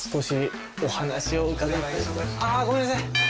あごめんなさい。